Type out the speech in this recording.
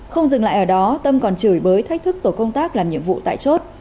không dừng lại ở đó tâm còn chửi bới thách thức tổ công tác làm nhiệm vụ tại chốt